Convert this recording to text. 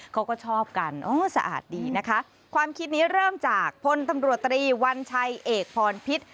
เขาก็ชอบกันอ๋อสะอาดดีนะคะความคิดนี้เริ่มจากพลตำรวจตรีวัญชัยเอกพรพิษ